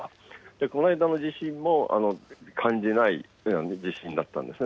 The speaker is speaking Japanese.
この間の地震も感じない地震だったんですね。